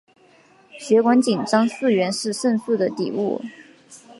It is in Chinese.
血管紧张素原是肾素的底物。